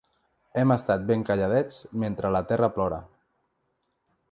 Hem estat ben calladets mentre la terra plora.